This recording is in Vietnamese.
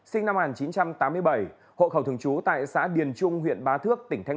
sinh năm một nghìn chín trăm tám mươi bảy hội khẩu thường chú tại xã điền trung huyện ba thư